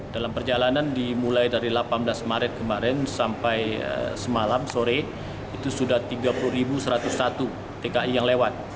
dalam perjalanan dimulai dari delapan belas maret kemarin sampai semalam sore itu sudah tiga puluh satu ratus satu tki yang lewat